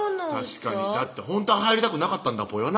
確かにだってほんとは入りたくなかったんだぽよ